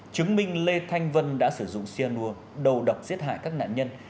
chứng minh lê thanh vân đã sử dụng cyanur đầu độc giết hại các nạn nhân